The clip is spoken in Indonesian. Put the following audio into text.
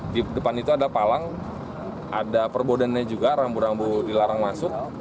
di depan itu ada palang ada perbodene juga rambu rambu dilarang masuk